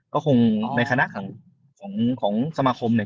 ก็คงในคณะของสมาคมเนี่ย